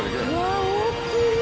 うわあ大きい！